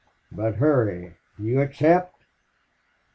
But hurry! Do you accept?"